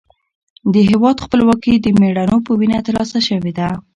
د هېواد خپلواکي د مېړنیو په وینه ترلاسه شوې ده.